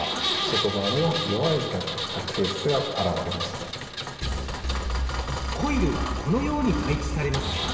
このようなコイルはこのように配置されます。